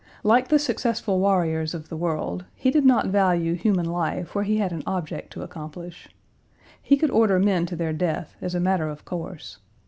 Like the successful warriors of the world, he did not value human life where he had an object to accomplish. He could order men to their death as a matter of course.